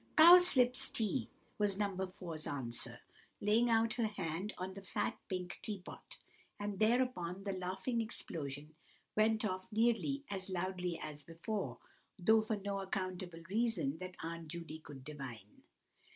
"Cowslip tea," was No. 4's answer, laying her hand on the fat pink tea pot; and thereupon the laughing explosion went off nearly as loudly as before, though for no accountable reason that Aunt Judy could divine.